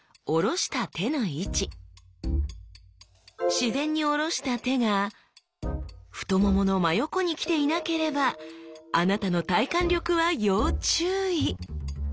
自然におろした手が太ももの真横にきていなければあなたの体幹力は要注意！